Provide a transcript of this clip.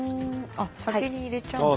あ先に入れちゃうんだ。